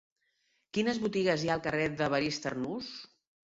Quines botigues hi ha al carrer d'Evarist Arnús?